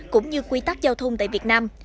cũng như quy tắc giao thông tại việt nam